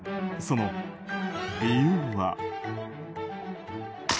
その理由は。